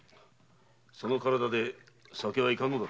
その体で酒はいかんのだろう。